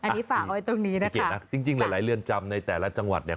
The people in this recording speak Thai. อันนี้ฝากไว้ตรงนี้นะคะเกียรตินะจริงหลายเรือนจำในแต่ละจังหวัดเนี่ย